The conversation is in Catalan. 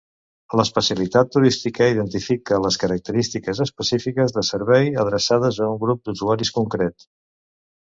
L'especialitat turística identifica les característiques específiques de servei adreçades a un grup d'usuaris concret.